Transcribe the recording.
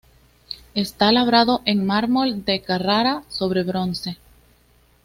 Está labrado en mármol de Carrara sobre bronce.